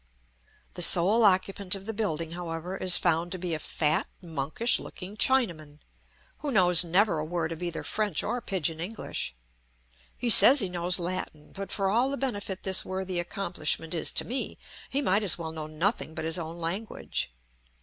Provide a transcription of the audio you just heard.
The sole occupant of the building, however, is found to be a fat, monkish looking Chinaman, who knows never a word of either French or pidgeon English. He says he knows Latin, but for all the benefit this worthy accomplishment is to me he might as well know nothing but his own language.